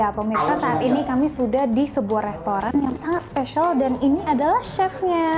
ya pemirsa saat ini kami sudah di sebuah restoran yang sangat spesial dan ini adalah chefnya